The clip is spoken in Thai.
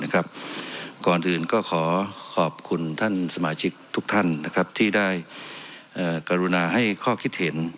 ก่อนอื่นก็ขอขอบคุณท่านสมาชิกทุกท่านที่ได้กรุณาให้ข้อคิดเห็น